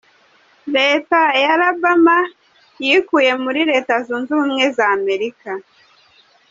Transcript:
Leta ya Alabama yikuye muri Leta zunze ubumwe za Amerika.